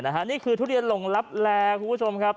นี่คือทุเรียนหลงลับแลคุณผู้ชมครับ